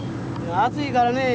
暑いからねえ